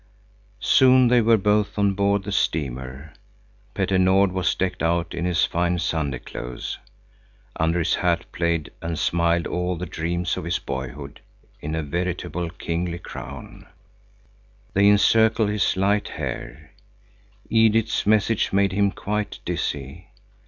Soon they were both on board the steamer. Petter Nord was decked out in his fine Sunday clothes. Under his hat played and smiled all the dreams of his boyhood in a veritable kingly crown; they encircled his light hair. Edith's message made him quite dizzy.